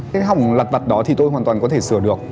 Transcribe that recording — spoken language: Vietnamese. cái hỏng lặt vặt đó thì tôi hoàn toàn có thể sửa được